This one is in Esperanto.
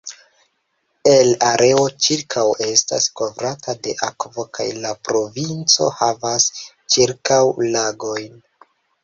El areo ĉirkaŭ estas kovrata de akvo kaj la provinco havas ĉirkaŭ lagojn.